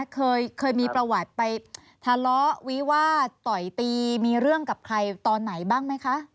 เคยมีประวัติไปทะเลาะวิวาดต่อยตีมีเรื่องกับใครตอนไหนบ้างไหมคะ